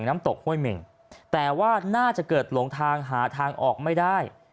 น้ำตกห้วยเม่งแต่ว่าน่าจะเกิดหลงทางหาทางออกไม่ได้